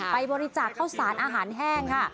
ไปบริจาคข้าวสารอาหารแห้งค่ะ